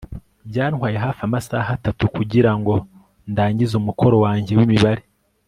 Byantwaye hafi amasaha atatu kugirango ndangize umukoro wanjye wimibare